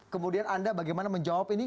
kemudian anda bagaimana menjawab ini